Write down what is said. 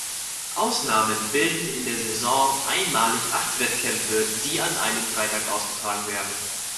Ausnahmen bilden in der Saison einmalig acht Wettkämpfe, die an einem Freitag ausgetragen werden.